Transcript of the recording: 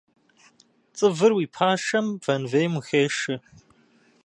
Цӏывыр уи пашэм вэнвейм ухешэ.